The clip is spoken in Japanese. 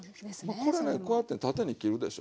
これねこうやって縦に切るでしょ